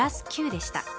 ９でした